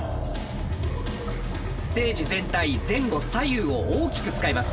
ステージ全体前後左右を大きく使います。